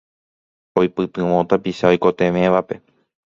oipytyvõ tapicha oikotevẽvape